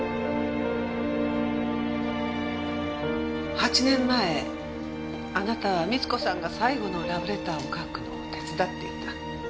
８年前あなたは美津子さんが最後のラブレターを書くのを手伝っていた。